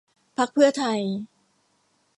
พรรคเพื่อไทย